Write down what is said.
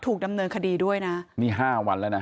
ถูกดำเนินคดีด้วยนะนี่ห้าวันแล้วนะ